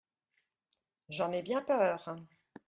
j'en ai bien peur !